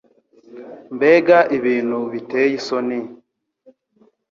Mbega ibintu biteye isoni!